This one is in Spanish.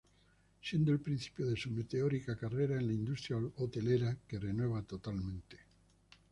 Siendo el principio de su meteórica carrera en la industria hotelera, que renueva totalmente.